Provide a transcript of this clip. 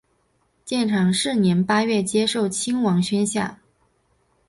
建长四年八月接受亲王宣下。